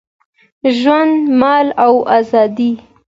ژوند، مال او آزادي